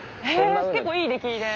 結構いい出来で。